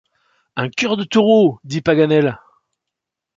Un cœur de taureau ! dit Paganel.